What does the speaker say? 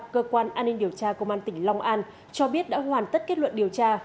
cơ quan an ninh điều tra công an tỉnh long an cho biết đã hoàn tất kết luận điều tra